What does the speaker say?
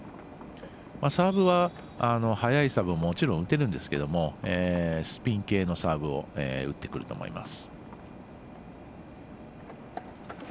サーブは速いサーブはもちろん打てるんですけどもスピン系のサーブを打ってくると思います。